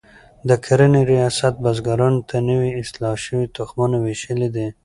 د کرنې ریاست بزګرانو ته نوي اصلاح شوي تخمونه ویشلي دي.